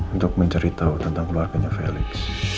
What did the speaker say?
untuk menceritahu tentang keluarganya felix